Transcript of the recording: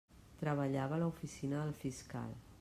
Treballava a l'oficina del fiscal.